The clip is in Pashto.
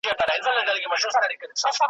زه به قدم د رقیبانو پر لېمو ایږدمه .